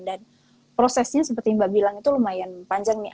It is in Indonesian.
prosesnya seperti mbak bilang itu lumayan panjang nih